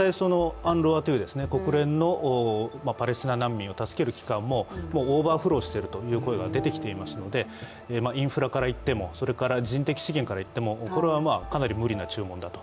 実際、国連のパレスチナ難民を助ける機関もオーバーフローしているという声が出てきてますのでインフラからいっても、人的資源からいってもかなり無理な注文だと。